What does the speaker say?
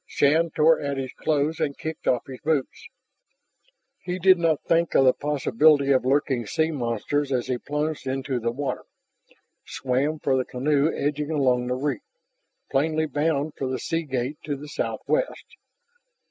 Shann tore at his clothes and kicked off his boots. He did not think of the possibility of lurking sea monsters as he plunged into the water, swam for the canoe edging along the reef, plainly bound for the sea gate to the southwest.